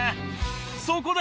そこで！